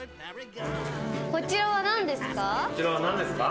こちらは何ですか？